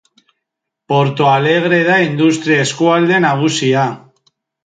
Porto Alegre da industria eskualde nagusia.